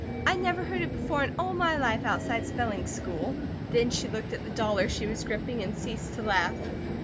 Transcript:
I never heard it before in all of my life outside spelling school." Then she looked at the dollar she was gripping and ceased to laugh.